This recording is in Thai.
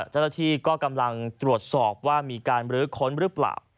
เจ้าหน้าที่ก็กำลังตรวจสอบว่ามีการบรื้อค้นหรือเปล่า